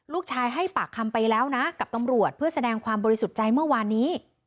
ให้ปากคำไปแล้วนะกับตำรวจเพื่อแสดงความบริสุทธิ์ใจเมื่อวานนี้